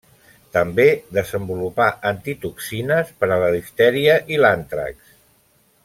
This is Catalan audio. També desenvolupà antitoxines per a la diftèria i l'àntrax.